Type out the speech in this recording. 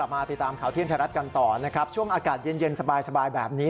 มาติดตามข่าวเที่ยงไทยรัฐกันต่อนะครับช่วงอากาศเย็นสบายแบบนี้